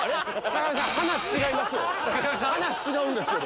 話違うんですけど。